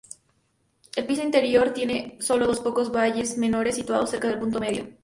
El piso interior tiene solo unos pocos valles menores, situados cerca del punto medio.